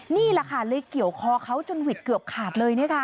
นี่แหละค่ะเลยเกี่ยวคอเขาจนหวิดเกือบขาดเลย